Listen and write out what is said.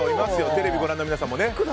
テレビをご覧の皆さんもね。